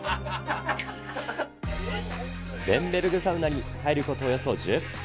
ベンゲルグサウナに入ることおよそ１０分。